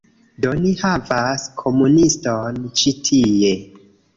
Do, ni havas komuniston ĉi tie